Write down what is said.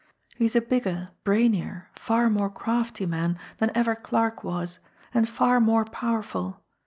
He is a bigger, brainier, far more crafty man than ever Clarke was, and far more powerful.